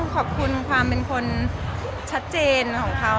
ก็มีลูกอะไรอย่างเนี่ยต่างปลา